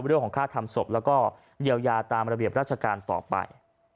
หรือของค่าทำศพและเดี่ยวยาตามระเบียบราชกาลต่อไป